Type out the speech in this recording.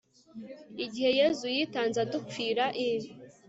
igihe yezu yitanze, adupfira i